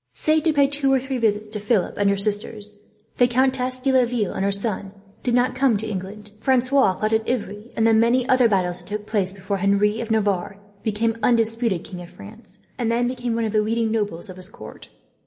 Save to pay two or three visits to Philip and her sisters, the Countess de Laville and her son did not come to England. Francois fought at Ivry and the many other battles that took place, before Henry of Navarre became undisputed King of France; and then became one of the leading nobles of his court.